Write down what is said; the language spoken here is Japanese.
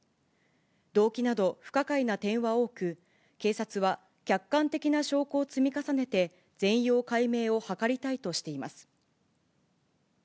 動機など、不可解な点は多く、警察は客観的な証拠を積み重ねて、全容解明を図りたいとしています。